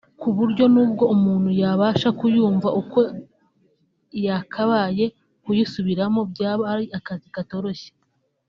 kuburyo n’ubwo umuntu yabasha kuyumva uko yakabaye kuyisubiramo byaba ari akazi katoroshye